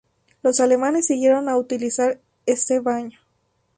Los alamanes siguieron a utilizar este baño.